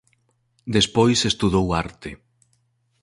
Despois estudou arte.